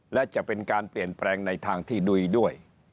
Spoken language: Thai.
และจะเป็นการเปลี่ยนแปลงในทางที่ดุยด้วย